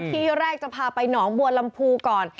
ที่แรกจะพาไปหนองบัวลำพูก่อน